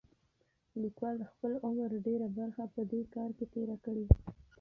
لیکوال د خپل عمر ډېره برخه په دې کار کې تېره کړې.